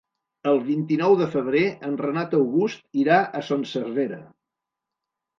El vint-i-nou de febrer en Renat August irà a Son Servera.